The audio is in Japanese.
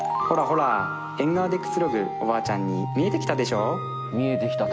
ほら縁側でくつろぐおばあちゃんに見えてきたでしょ見えてきた